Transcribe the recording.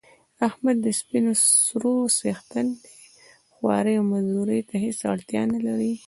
احمد د سپینو سرو څښتن دی خوارۍ او مزدورۍ ته هېڅ اړتیا نه لري.